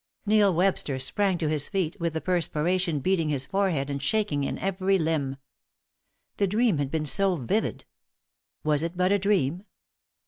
Neil Webster sprang to his feet with the perspiration beading his forehead and shaking in every limb. The dream had been so vivid! Was it but a dream?